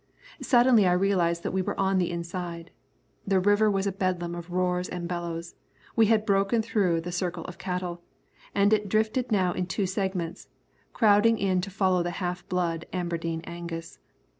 Suddenly I realised that we were on the inside. The river was a bedlam of roars and bellows. We had broken through the circle of cattle, and it drifted now in two segments, crowding in to follow the half blood Aberdeen Angus.